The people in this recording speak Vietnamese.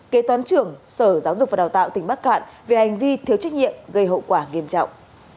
kế toán trưởng sở giáo dục và đào tạo tỉnh bắc cạn về hành vi thiếu trách nhiệm gây hậu quả nghiêm trọng